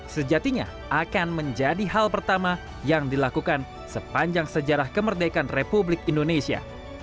sejatinya akan menjadi hal pertama yang dilakukan sepanjang sejarah kemerdekaan republik indonesia